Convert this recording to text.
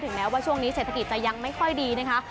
แม้ว่าช่วงนี้เศรษฐกิจจะยังไม่ค่อยดีนะคะ